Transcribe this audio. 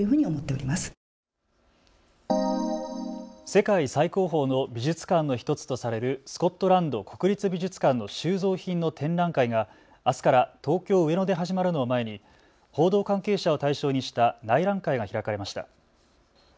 世界最高峰の美術館の１つとされるスコットランド国立美術館の収蔵品の展覧会があすから東京上野で始まるのを前に報道関係者を対象にした内覧会が開かれました。